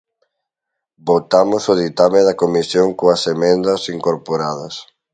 Votamos o Ditame da Comisión coas emendas incorporadas.